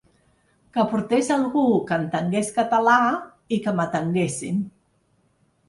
Que portés algú que entengués català i que m’atenguessin.